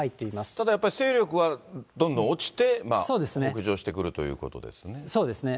ただやっぱり、勢力はどんどん落ちて北上してくるということそうですね。